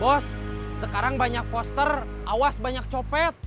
bos sekarang banyak poster awas banyak copet